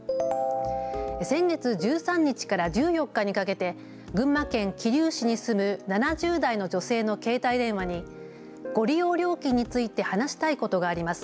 先月、１３日から１４日にかけて群馬県桐生市に住む７０代の女性の携帯電話にご利用料金について話したいことがあります。